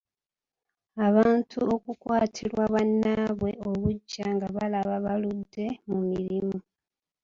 Abantu okukwatirwa bannaabwe obuggya nga balaba baludde mu mirimu.